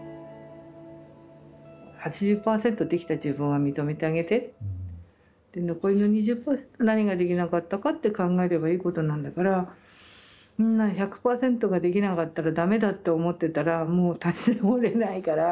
８０％できた自分は認めてあげて残りの２０％何ができなかったかって考えればいいことなんだから１００％ができなかったら駄目だって思ってたらもう立ち直れないから。